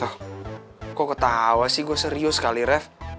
tuh kok ketawa sih gue serius kali ref